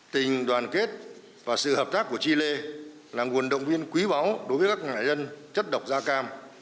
tình đoàn kết và sự hợp tác của chile là nguồn động viên quý báu đối với các nạn nhân chất độc da cam